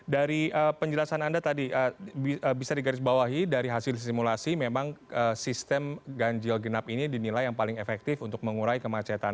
dari penjelasan anda tadi bisa digarisbawahi dari hasil simulasi memang sistem ganjil genap ini dinilai yang paling efektif untuk mengurai kemacetan